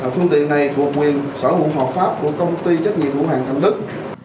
phương tiện này thuộc quyền sở hữu hợp pháp của công ty trách nhiệm vũ hoàng thành lức